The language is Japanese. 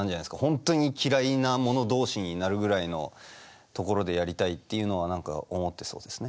本当に嫌いな者同士になるぐらいのところでやりたいっていうのは何か思ってそうですね。